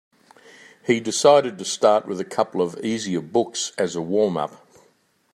He decided to start with a couple of easier books as a warm-up.